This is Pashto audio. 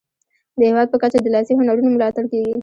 د هیواد په کچه د لاسي هنرونو ملاتړ کیږي.